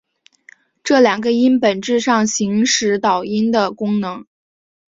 这两个音本质上行使导音的功能。